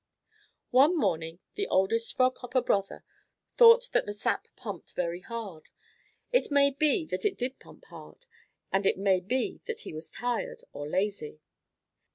One morning the oldest Frog Hopper brother thought that the sap pumped very hard. It may be that it did pump hard, and it may be that he was tired or lazy.